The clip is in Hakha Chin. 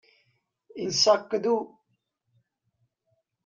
Inn sak ka duh.